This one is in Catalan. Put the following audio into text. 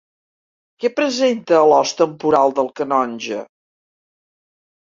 Què presenta a l'os temporal el canonge?